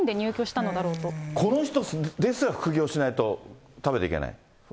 この人ですら副業しないと食べていけない。